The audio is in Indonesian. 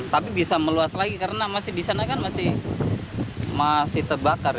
tapi bisa meluas lagi karena masih di sana kan masih terbakar